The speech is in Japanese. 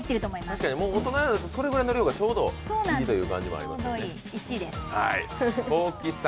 確かに、大人だとそれぐらいの量がちょうどいいという感じがありますよね。